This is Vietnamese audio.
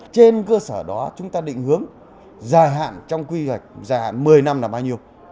trên cơ sở đó chúng ta định hướng dài hạn trong quy hoạch dài hạn một mươi năm là bao nhiêu